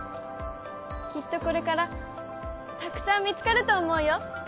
きっとこれからたくさん見つかると思うよ。